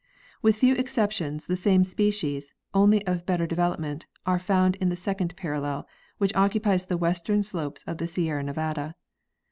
With few exceptions the same species, only of better develop ment, are found in the second parallel, which occupies the western slopes of the Sierra Nevada.